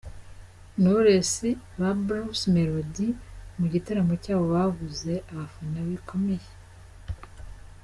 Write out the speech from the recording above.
Knowless ba Bruce Melody mu gitaramo cyabo babuze abafana bikomeye.